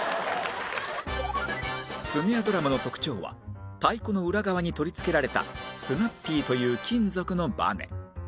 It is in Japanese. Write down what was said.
スネアドラムの特徴は太鼓の裏側に取り付けられたスナッピーという金属のバネ